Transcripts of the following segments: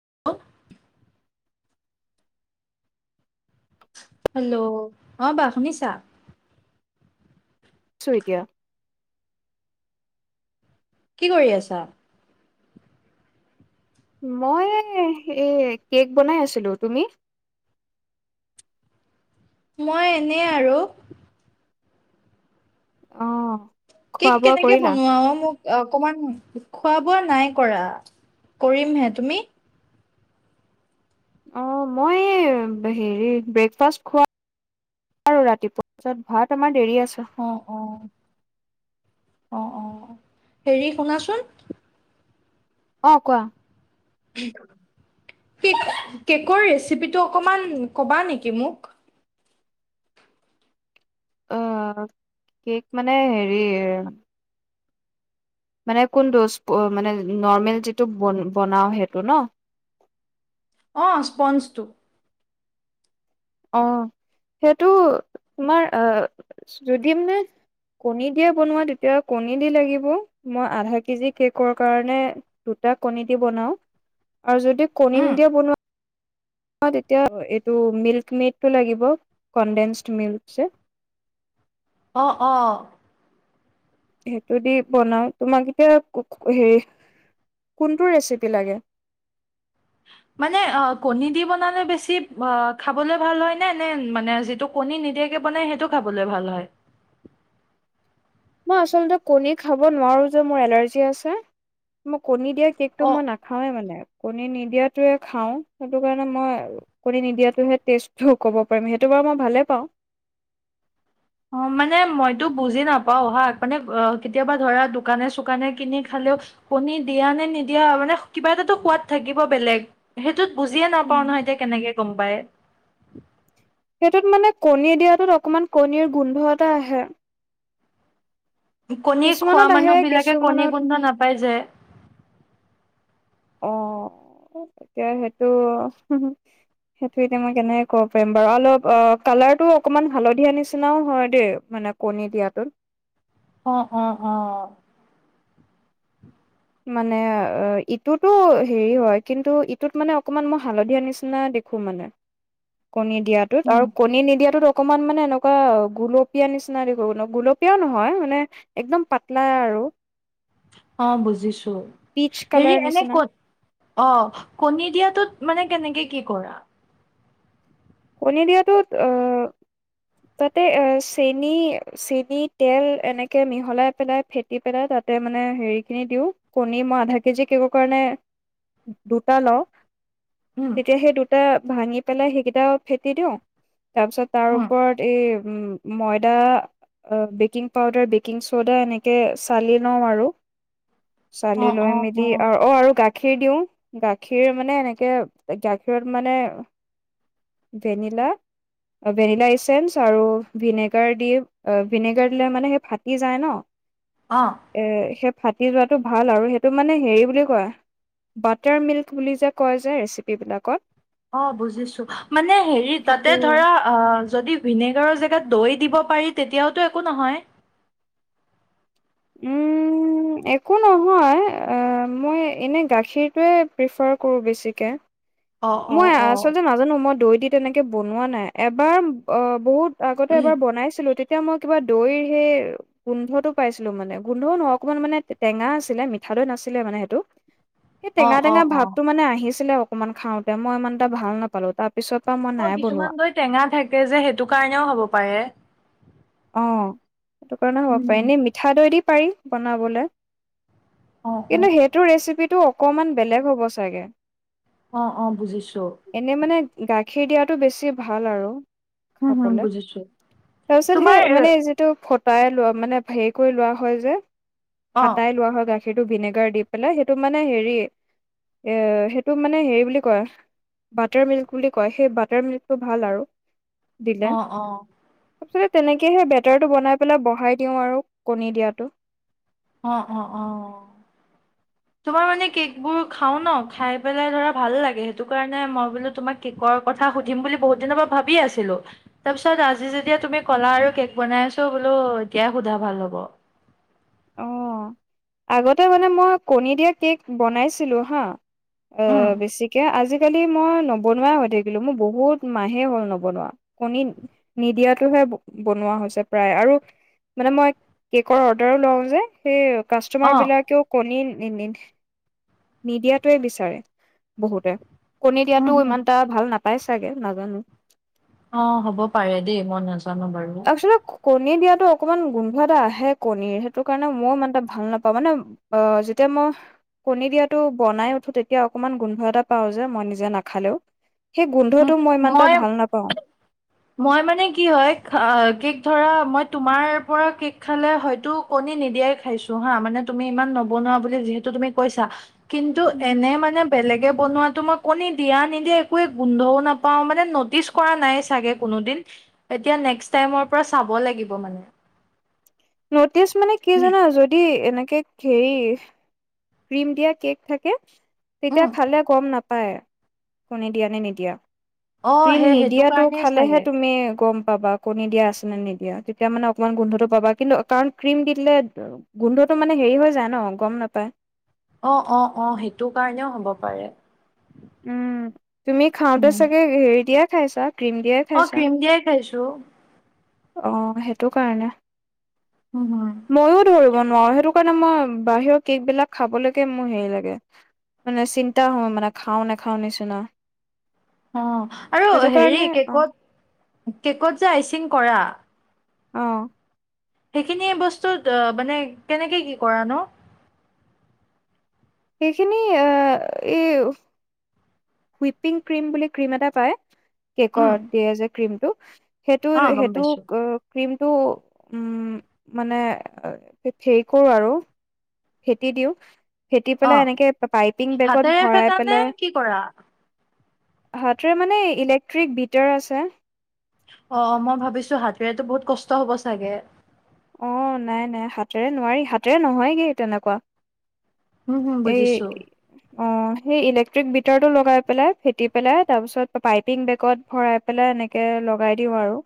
[unintelligible] Hello অঁ বা শুনিছা? ছোঁ এতিয়া। কি কৰি আছা? মই এই এ কেক বনাই আছিলো, তুমি? মই এনেই আৰু। অঁ। কেক কেনেকে বনোৱা অ? মোক অকমান খোৱা বোৱা নাই কৰা কৰিমহে, তুমি? অ মই হেৰি ব্ৰেকফাষ্ট খোৱা ৰাতিপুৱা ভাত আমাৰ দেৰি আছে। অঁ অঁ। অঁ অঁ হেৰি শুনাচোন অঁ কোৱা। কেক কেকৰ ৰেচিপিটো অকমান ক'বা নেকি মোক? অহ কেক মানে হেৰি মানে কোন টো? মানে নৰ্মেল যিটো বনাও সেইটো ন। অ স্পঞ্জটো অ' সেইটো তোমাৰ আহ যদি মানে কণী দিয়ে বনোৱা তেতিয়া কণী দি লাগিব মই আধা কেজি কেকৰ কাৰণে দুটা কণী দি বনাও। আৰু যদি কণী উম নিদিয়া বনোৱা তেতিয়া এইটো মিল্ক মেডটো লাগিব কনডেন্স মিল্ক যে। অ' অ'। সেইটো দি বনাও, তোমাক এতিয়া হেৰি কোনটো ৰেচিপি লাগে। মানে অ' কণী দি বনালে বেছি অ' খাবলৈ ভাল হয় নে, নে মানে যিটো কণী নিদিয়াকে বনাই সেইটো খাবলৈ ভাল হয়? মই আচলতে কণী খাব নোৱাৰো যে, মোৰ এলাৰ্জি আছে। মই কণীত দিয়া কেকটো অ মই নাখাৱে মানে। কণী নিদিয়াটোৱে খাওঁ সেইটো কাৰণে মই কণী নিদিয়াটোহে টেষ্টটো ক'ব পাৰিম, সেইটো বাৰু মই ভালেই পাওঁ। অ' মানে মইতো বুজি নাপাওঁ অহা মানে অ' কেতিয়াবা ধৰা দোকানে-চোকানে কিনি খালেও কণী দিয়া নে নিদিয়া মানে কিবা এটাতো সোৱাদ থাকিব বেলেগ। টোত বুজিয়ে নাপাওঁ নহয় এতিয়া কেনেকে গম পায়। সেইটোত মানে কণী দিয়াটোত অকণমান কণীৰ গোন্ধ এটা আহে। কণী খোৱা কিছুমানত আহে মানুহ বিলাকে কিছুমানত কণী গোন্ধ নাপায় যে। অ' এতিয়া সেইটো সেইটো এতিয়া মই কেনেকে ক'ব পাৰিম বাৰু অলপ কালাৰটো অকণমান হালধীয়া নিচিনাও হয় দেই মানে কণী দিয়াটোত। অ -অ- অ। মানে ইটোতো হেৰি হয় কিন্তু ইটোত মানে অকণমান মই হালধীয়া নিচিনা দেখো মানে। কণী দিয়াাটোত উম আৰু কণী নিদিয়াটো ত অকমান মানে এনেকুৱা গুলপীয়া নিচিনা দেখোঁ গুলপীয়াও নহয় মানে একদম পাতলা আৰু অ' বুজিছোঁ পিচ কালাৰ হেৰি এনে নিচিনা। ক'ত অ' কণী দিয়াটোত মানে কেনেকে কি কৰা। কণী দিয়াটো তাতে চেনি চেনি তেল এনেকে মিহলাই পেলাই ফেটি পেলাই তাতে মানে হেৰিখিনি দিওঁ কণী মই আধা কেজি ক কাৰণে দুটা লওঁ। উম তেতিয়া সেই দুটা ভাঙি পেলাই সেইকেইটা ফেটি দিওঁ। তাৰ পিছত তাৰ উম ওপৰত এই উম। ময়দা বেকিং পাউদাৰ বেকিং চ'ডা এনেকে চালি লওঁ আৰু। চালি অ লৈ অ মেলি আৰু অ আৰু গাখীৰ গাখীৰ দিওঁ গাখীৰ মানে এনেকে গাখীৰত মানে ভেনিলা ভেনিলা এইচেঞ্চ আৰু ভিনেগাৰ দি ভিনেগাৰ দিলে মানে সেই ফাটি যায় ন। অ এ [unintelligible] ফাটি যোৱাটো ভাল আৰু সেইটো মানে হেৰি বুলি কয় বাটাৰ মিল্ক বুলি যে কয় যে ৰেচিপিবিলাকত। অ, ' বুজিছো। মানে হেৰি তাতে সেইটো ধৰা অহ। যদি ভিনেগাৰৰ জেগাত দৈ দিব পাৰি তেতিয়াওতো একো নহয়। একো নহয় মই এনে গাখীৰটোৱে প্ৰিফাৰ কৰোঁ বেছিকে। অ অ মই অ আচলতে নাজানো মই দৈ দি তেনেকে বনোৱা নাই এবাৰ অ বহুত আগতে উম, এবাৰ বনাইছিলো। এতিয়া মই কিবা দৈৰ সেই গোন্ধটো পাইছিলো মানে গোন্ধ নহ অকনমান মানে টেঙা আছিলে মিঠা দৈ নাছিলে মানে সেইটো। সেই অ টেঙা অ অ টেঙাাৱতটো মানে আহিছিলে অ অকণমান খাওঁতে। তে মই ইমান এটা ভাল নাপালো তাত। অ কিছুমান দৈ টেঙা থাকে যে সেইটো কাৰণেও হব পাৰে। আহ। সেইটো কাৰণে হ'ব পাৰে উম এনে মিঠা দৈ দি পাৰি বনাবলে অ [unintelligible] অ কিন্তু সেইটো ৰেচিপি তটো অকমান বেলেগ হ'ব চাগে অ, ' অ, ' বুজিছো। এনে মানে গাখীৰ দিয়াটো বেছি ভাল আৰু। উম, হম বুজিছো। তোমাৰ মানে যিটো ফটাই লোৱা মানে হেৰি কৰি লোৱা হয় যে অ ফাতাই লোৱা হয় গাখীৰ সেইটো ভিনেগাৰ দি পেলাই সেইটো মানে হেৰি এ সেইটো মানে হেৰি বুলি কয় বাটাৰ মিল্ক বুলি কয় সেই বাটাৰ মিল্কটো ভাল আৰু। দিলে অ -অ তাৰপিছতে তেনেকে সে বেটাৰটো বনাই পেলাই বঢ়াই দিওঁ আৰু কণী দিয়াটো। অ -অ -অ তোমাৰ মানে কেকবোৰ খাওঁ ন খাই পেলাই ধৰা ভাল লাগে সেইটো কাৰণে মই বোলো তোমাক কেকৰ কথা সুধিম বুলি বহুত দিনৰ পৰা ভাবি আছিলোঁ তাৰপিছত আজি যেতিয়া তুমি ক'লা আৰু কেক বনাই আছো বোলো এতিয়াই সোধা ভাল হ'ব। অ' আগতে মানে মই কণী দিয়া কেক বনাইছিলো হা। উম অ' বেছিকে আজিকালি একেল মই নবনুৱাই হৈ থাকিলো মোৰ বহুত মাহে হ'ল নবনোৱা কণী নিদিয়টোহে বনোৱা হৈছে প্ৰায় আৰু মানে মই কেকৰ অৰ্ডাৰো লওঁ। সেই। অ কাষ্টমাৰ বিলাকেও কণী। নিদিয়াটোৱে বিচাৰে বহুতে। কণী উম দিয়াতো হম ইমান এটা ভাল নাথাকে। পাই চাগে নাজানো। অ হব পাৰে দেই মই নাজানো বাৰু একচুৱেলি কণী দিয়াাতো অকণমান গোন্ধ এটা আহে কণীৰ টো কাৰণে মই মানে ভাল নাপাওঁ মানে অ যেতিয়া মই কণী দিয়াটো বনাই উঠো তেতিয়া অকমান গোন্ধ এটা পাও যে মই নিজে নাখালেও। সেই উ গোন্ধটো ইমান এটা মই ভাল নাপাওঁ। মই মানে কি হয় কি? ধৰা মই তোমাৰ পৰা কেক খালে হয়তো কণী নিদিয়াই খাইছো হা মানে তুমি ইমান নবনোৱা বুলি যিহেতু তুমি কৈছা। কিন্তু এনে মানে বেলেগে বনোৱাাতো মই কণী দিয়া নিদিয়া একোৱে গোন্ধও নাপাও মানে নটিচ কৰা নাই চাগে কোনো দিন এতিয়া নেক্স টাইমৰ পৰা চাব লাগিব মানে নটিচ মানে কি জানা যদি এনে কে হেৰী ক্ৰীম দিয়া কেক থাকে। তেতিয়া উম খালে গম নাপায় কণী দিয়া নে নিদিয়া? অ ক্ৰীম সেই সেইটো নিদিয়টো কাৰণেই চাগে খালেহে তুমি গম পাবা কণী দিয়া আছে নে নিদিয়া তেতিয়া মানে অকণমান গোন্ধটো পাবা কিন্তু কাৰণ ক্ৰীম দি দিলে গোন্ধটো মানে হেৰি হৈ যায় ন গম নাপায়। অ- অ -অ সেইটো কাৰণেও হ'ব পাৰে। উম। তুমি খাওঁতে উম চাগে হেৰি দিয়াক [unintelligible] ই ছাৰ অ ক্ৰীম দিয়াই খাইছো। দু। অ 'সেইটো কাৰণে উম হম। ময়ো ধৰিব নোৱাৰো সেইটো কাৰণে মই বাহিৰৰ কেক বিলাক খাবলৈকে মোৰ হেৰি লাগে মানে চিন্তা হয় মানে খাও নেখাও নিচিনা অ' আৰু সেইটো হেৰি কাৰণে অ', কেকত কেকত যে আইচিং কৰা অ'। সেইখিনিয়ে বস্তুত মানে কেনেকৈ কি কৰানো? সেইখিনি অ' ইউ উইপিং ক্ৰীম বুলি ক্ৰীম এটা পায় উম, কেকত দিয়ে যে ক্ৰীমটো অ' গম সেইটো-সেইটো পাইছো। ক্ৰীম সেইটো উম মানে হেৰি কৰোঁ আৰু ফেটি দিওঁ ফেটি অ' পেলাই এনেকে পাইপিং বেগত হাতেৰে ভৰাই ফেটা নে পেলাই কি কৰা? হাতেৰে মানে ইলেক্ট্ৰিক বিটাৰ আছে। অ' মই ভাবিছোঁ হাতেৰেতো বহুত কষ্ট হ'ব চাগে। অ' নাই-নাই হাতেৰে নোৱাৰি, হাতেৰে নহয়গে তেনেকুৱা হুম-হুম এই বুজিছোঁ। অ' সেই ইলেক্ট্ৰিক বিটাৰটো লগাই পেলাই ফেটি পেলাই তাৰপিছত পাইপিং বেগত ভৰাই পেলাই এনেকৈ লগাই দিওঁ আৰু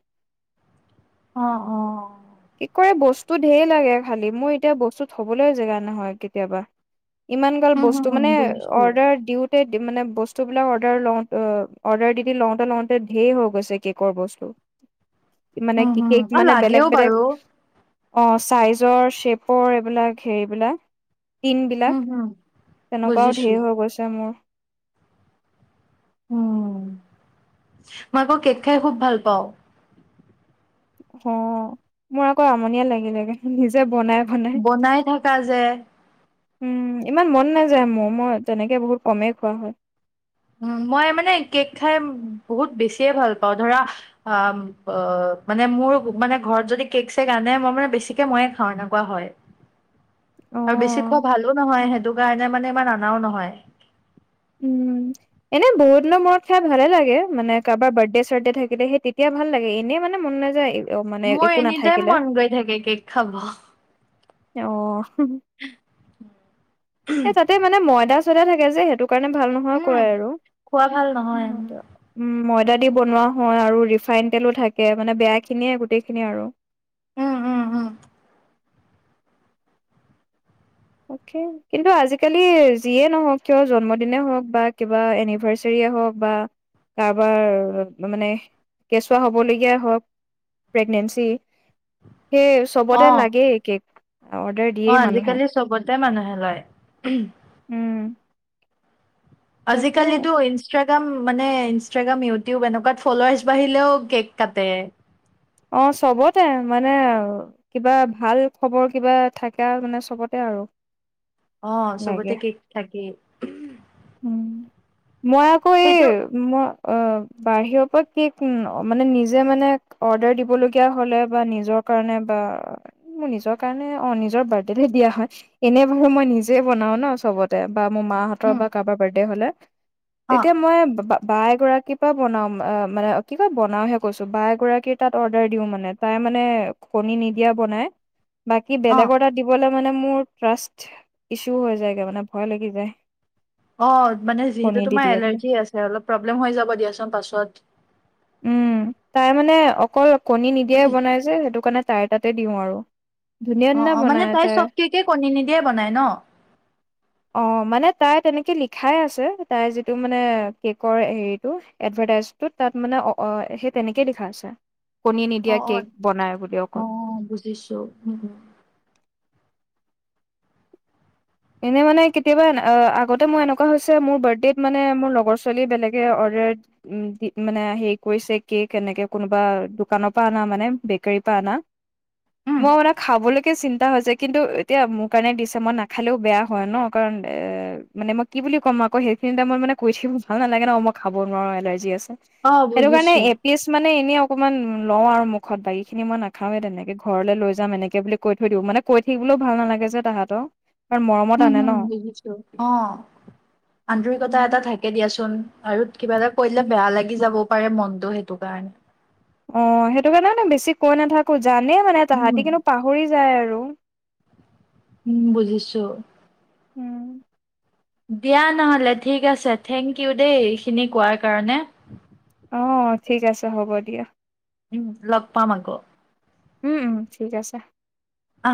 অ'-অ'। কেকৰ এই বস্তু ধেই লাগে খালি মোৰ এতিয়া বস্তু থবলে জেগা নহয় কেতিয়াবা। ইমান গাল হুম, বস্তু হুম মানে বুজিছো। অৰ্ডাৰ দিওঁ মানে বস্তুবিলাক অৰ্ডাৰ লওঁ অৰ্ডাৰ দি দি লওঁতে লওঁতে ধেই হৈ গৈছে কেকৰ বস্তু। মানে উম কি হম কেক আৰু মানে বেলেগ লাগেও বেলেগ বাৰু। অ চাইজৰ শ্বেপৰ এইবিলাক হেৰিবিলাক। টিন বিলাক হুম, হুম তেনেকুৱাও বুজিছো। ধেৰ হৈ গৈছে মোৰ। উম মই আকৌ কেক খায় খুব ভাল পাওঁ। অ মোৰ আকৌ আমনিয়ে লাগিলেগে নিজে বনাই থাকা যে। উম ইমান মন নাযায় মোৰ মই তেনেকে বহুত কমেই খোৱা হয়। মই মানে কেক খাই বহুত বেছিয়ে ভাল পাওঁ ধৰা মানে মোৰ মানে ঘৰত যদি কেক চেক আনে মই মানে বেছিকে ময়ে খাওঁ এনেকুৱা হয়। অ আৰু বেছি খোৱা ভালো নহয় সেইটো কাৰণে মানে ইমান আনাও নহয়। উম এনে বহুত দিনৰ মূৰত খাই ভালে লাগে মানে কাৰোবাৰ বাৰ্থডে চাৰ্থডে থাকিলে সেই তেতিয়া ভাল লাগে, এনেই মানে মন নাযায়। মানে মোৰ একো এনিটাইম নাথাকিলে মন গৈ থাকে কেক খাব। অহ। [inaudible] এ তাতে মানে মইদাস তে থাকে যে সেইটো কাৰণে ভাল নহয় উম, কয় আৰু খোৱা ভাল নহয় উম, উ মই আদা দি বনোৱা হয় আৰু ৰিফাইন তেলো থাকে মানে বেয়া খিনিয়ে গোটেইখিনি আৰু উম উম উম কিন্তু আজিকালি যিয়ে নহওক কিয় জন্মদিনেই হওক বা কিবা এনিভাৰ্চাৰীয়ে হওক বা কাৰোবাৰ মানে কেঁচুৱা হ'বলগীয়া হওক প্ৰেগনেঞ্চি সেই চবতে অ', লাগেই কেক অৰ্ডাৰ দিয়েই মানুহে গোতে মানুহে লয় উম তাকে আজিকালিতো ইনষ্ট মানে ইনষ্টাগ্ৰাম ইউটিউব এনেকুৱাত ফলোৱাছ বাঢ়িলেও কেক কাটে অ চবতে মানে কিবা ভাল খবৰ কিবা থাকা মানে চবতে আৰু আহ লাগে চবতে কেক থাকে উম মই আকৌ এই মই অ বাহিৰৰ পৰা কি মানে নিজে মানে অৰ্ডাৰ দিবলগীয়া হলে বা নিজৰ কাৰণে বা মোৰ নিজৰ কাৰণে অ নিজৰ বাৰ্থডে দিয়া হয় এনে বাৰু মই নিজে বনাও ন চবতে বা মোৰ মাহঁতৰ উম, বা কাৰোবাৰ বাৰ্থডে হ'লে অ', তেতিয়া মই ব- বা বা এগৰাকীৰ পৰা বনাওঁ অ' মানে কি কয়, বনাওঁহে কৈছোঁ। বা এগৰাকীৰ তাত অৰ্ডাৰ দিওঁ মানে। তাই মানে কণী নিদিয়া বনায়। বাকী অ বেলেগৰ তাত দিবলে মানে মোৰ ট্ৰাষ্ট ইছ্যু হৈ যায়গে, মানে ভয় লাগি যায়। অ' মানে যিহেতু কণী দি তোমাৰ দিয়ে বুলি। এলাৰ্জি আছে অলপ, প্ৰব্লেম হৈ যাব দিয়াচোন পাছত। উম, তাই মানে অকল কণী নিদিয়াই বনায় যে, সেইটো কাৰণে তাইৰ তাতে দিওঁ আৰু। ধুনীয়া - অ ধুনীয়া অ মানে বনায় তাই। চব কেকে কণী নিদিয়ে বনাই ন অ' মানে তাই তেনে তে লিখাই আছে। তাইৰ যিটো মানে কেকৰ হেৰিটো এডভাৰটাইজটোত। তাত মানে অ'-অ'- সেই তেনেকেই লিখা আছে। কণী নিদিয়া অ' - অ'। কেক বনাই বুলি অকল। অ' বুজিছোঁ। উম - উম। এনে মানে কেতিয়াবা অ'- আগতে মোৰ এনেকুৱা হৈছে, মোৰ বাৰ্থডেত মানে মোৰ লগৰ ছোৱালী বেলেগে অৰ্ডাৰ দি- উম- মানে হেৰি কৰিছে কেক এনেকে কোনোবা দোকানৰ পৰা অনা মানে বেকাৰীৰ পৰা অনা। উম মই মোনে খাবলৈকে চিন্তা হৈছে, কিন্তু এতিয়া মোৰ কাৰণে দিছে, মই না খালেও বেয়া হয় ন', কাৰণ এ- মানে মই কি বুলি ক'ম আকৌ, সেইখিনি টাইমত মানে কৈ থাকি ভাল নালাগে ন', মই খাব নোৱাৰোঁ, এলাৰ্জি আছ অ সেইটো কাৰণে বুজিছো এপিছ মানে এনে অকমান লওঁ আৰু মুখত বাকী খিনি মই নাখাওে তেনেকে ঘৰলৈ লৈ যাম এনেকে বুলি কৈ থৈ দিও মানে কৈ থাকিবলৈও ভাল নালাগে যে তাহাঁতক। উম হুম বুজিছোঁ, অ, আন্তৰিকতা এটা থাকে দিয়াচোন। আৰু কিবা এটা কৰিলে বেয়া লাগি যাবও পাৰে মনটো সেইটো কাৰণে। অ', সেইটো কাৰণে মানে বেছি কৈ নাথাকো জানে মানে উম তাহাঁতি কিন্তু পাহৰি যায় আৰু। [unintelligible] উম, বুজিছোঁ। উম, দিয়া নহ'লে ঠিক আছে থেংক ইউ দেই এইখিনি কোৱাৰ কাৰণে। অ' ঠিক আছে হ'ব দিয়া। উম [unintelligible] উম, উম ঠিক আছে। অ'।